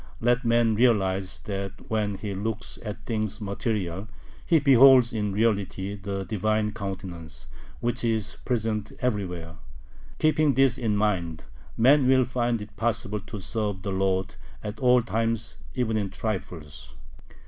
Let man realize that when he looks at things material he beholds in reality the Divine Countenance, which is present everywhere. Keeping this in mind, man will find it possible to serve the Lord at all times, even in trifles.